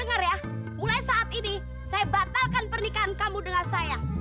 dengar ya mulai saat ini saya batalkan pernikahan kamu dengan saya